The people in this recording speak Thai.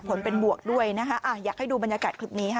ผลเป็นบวกด้วยนะคะอยากให้ดูบรรยากาศคลิปนี้ค่ะ